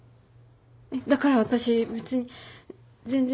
だから私別に全然。